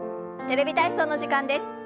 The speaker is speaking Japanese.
「テレビ体操」の時間です。